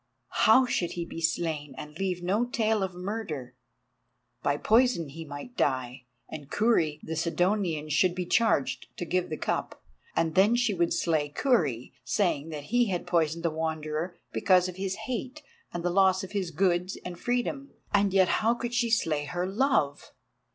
How should he be slain and leave no tale of murder? By poison he might die, and Kurri the Sidonian should be charged to give the cup. And then she would slay Kurri, saying that he had poisoned the Wanderer because of his hate and the loss of his goods and freedom; and yet how could she slay her love?